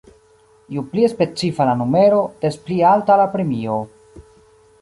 Ju pli specifa la numero, des pli alta la premio.